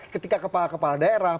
ketika kepala kepala daerah